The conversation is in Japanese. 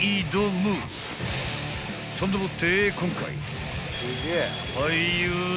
［そんでもって今回］